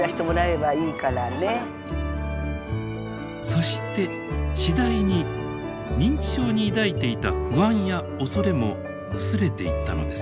そして次第に認知症に抱いていた不安や恐れも薄れていったのです。